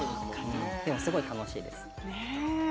でも、すごい楽しいです。